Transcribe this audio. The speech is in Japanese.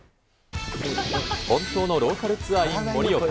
本当のローカルツアーｉｎ盛岡。